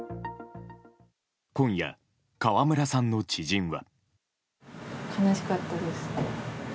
今夜、川村さんの知人は。